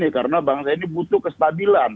karena bangsa ini butuh kestabilan